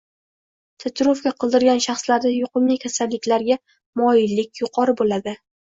Tatuirovka qildirgan shaxslarda yuqumli kasalliklarga moyillik yuqori boʻladi.